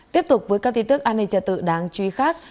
tiếp tục với các tin tức an ninh trật tự đáng chú ý khác